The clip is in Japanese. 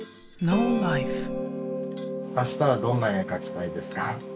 明日はどんな絵描きたいですか？